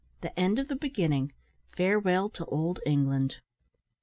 THE END OF THE BEGINNING FAREWELL TO OLD ENGLAND.